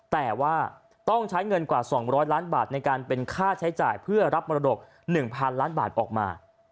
แต่ว่าต้องใช้เงินกว่า๒๐๐ล้านบาทในการเป็นค่าใช้จ่ายเพื่อรับมรดก๑๐๐๐ล้านบาทออกมา